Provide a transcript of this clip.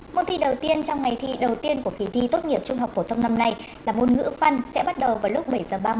môn thi đầu tiên trong ngày thi đầu tiên của kỳ thi tốt nghiệp trung học phổ thông năm nay là môn ngữ văn sẽ bắt đầu vào lúc bảy h ba mươi